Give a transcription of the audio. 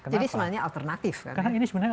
jadi sebenarnya alternatif karena ini sebenarnya